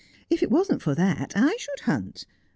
If it wasn't for that I should hunt.